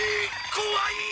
こわい！